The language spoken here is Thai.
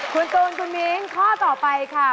คุณตูนคุณมิ้งข้อต่อไปค่ะ